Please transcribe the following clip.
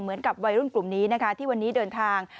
เหมือนกับวัยรุ่นกลุ่มนี้นะคะที่วันนี้เดินทาง